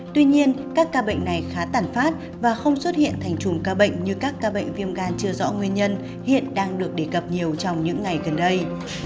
tuy nhiên các ca bệnh này khá tản phát và không xuất hiện thành chùm ca bệnh như các ca bệnh viêm gan chưa rõ nguyên nhân hiện đang được đề cập nhiều trong những ngày gần đây